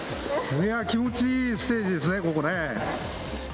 気持ちいいステージですね、ここね。